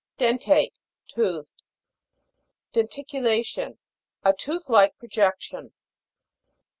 DEN'TATE. Toothed. DENTICULA'TION. A tooth like pro jection.